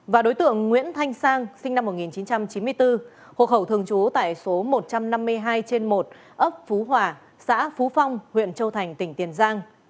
và đối tượng nguyễn thanh sang sinh năm một nghìn chín trăm chín mươi bốn hộ khẩu thường trú tại số một trăm năm mươi hai trên một ấp phú hòa xã phú phong huyện châu thành tỉnh tiền giang